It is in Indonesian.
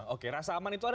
oke rasa aman itu ada